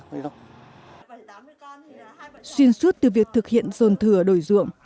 xuyên suốt từ việc thực hiện dồn thừa đổi ruộng